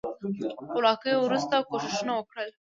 خپلواکۍ وروسته کوښښونه وکړل.